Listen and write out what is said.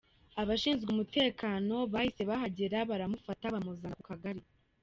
Abashinzwe umutekano bahise bahagera baramufata bamuzana ku kagari.